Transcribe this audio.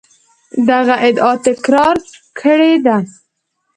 دغه ادعا تکرار کړې ده.